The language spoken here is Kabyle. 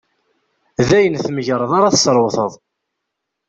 D ayen tmegreḍ ara tesrewreḍ.